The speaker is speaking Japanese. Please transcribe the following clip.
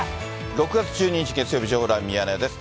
６月１２日月曜日、情報ライブミヤネ屋です。